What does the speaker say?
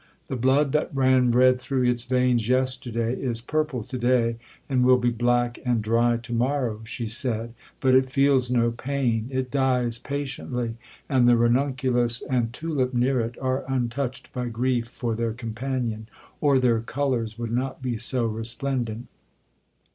—'The blood that ran red through its veins yesterday is purple to day, and will be black and dry to morrow,' she said; 'but it feels no pain—it dies patiently,—and the ranunculus and tulip near it are untouched by grief for their companion, or their colours would not be so resplendent.